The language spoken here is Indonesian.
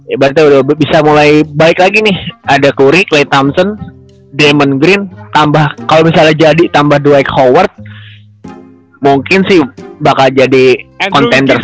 ibatnya udah bisa mulai baik lagi nih ada curry klay thompson damon green tambah kalo misalnya jadi tambah dwight howard mungkin sih bakal jadi contenders